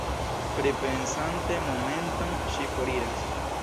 Pripensante momenton, ŝi foriras.